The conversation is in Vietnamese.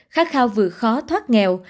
khát khao vừa khó thoát nghèo